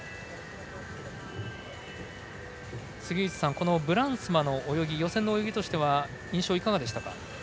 杉内さん、ブランスマの泳ぎ予選の泳ぎとしては印象、いかがでしたか？